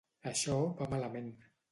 Això va malament.